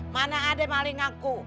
mana ada maling aku